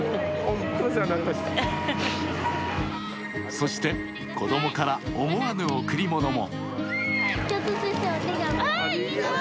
そして子供から思わぬ贈り物も。